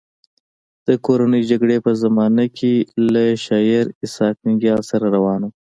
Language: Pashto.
د کورنۍ جګړې په زمانه کې له شاعر اسحق ننګیال سره روان وم.